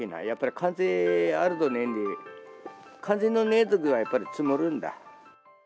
風あるとねえで、風のねえときはやっぱり積もるんだ。